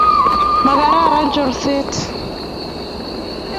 makararan chorset